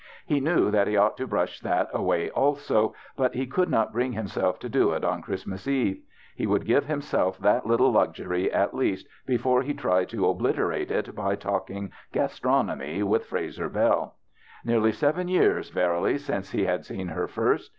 He knew that he ought to brush that away also, but he could not bring himself to do it on Christmas eve. He would give himself that little luxury at least, before he tried to obliterate it by talking gastron omy with Frazer Bell. Nearly seven years, verily, since he had seen her first